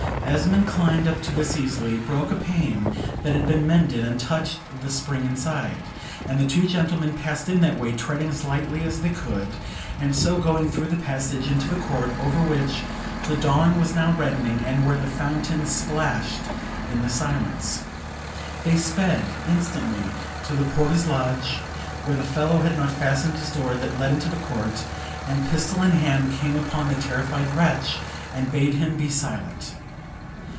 Esmond climbed up to this easily, broke a pane that had been mended, and touched the spring inside, and the two gentlemen passed in that way, treading as lightly as they could; and so going through the passage into the court, over which the dawn was now reddening, and where the fountain plashed in the silence. They sped instantly to the porter's lodge, where the fellow had not fastened his door that led into the court; and pistol in hand came upon the terrified wretch, and bade him be silent.